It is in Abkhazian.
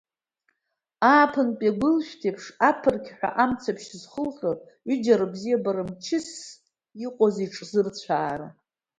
Ааԥынтәи агәилшәҭеиԥш аԥырқьҳәа амцаԥшь зхылҟьо ҩыџьа рыбзиабара мчыс иҟоузеи иҿзырцәаара!